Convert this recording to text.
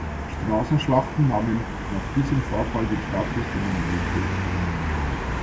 Straßenschlachten nahmen nach diesem Vorfall den Status der Normalität an.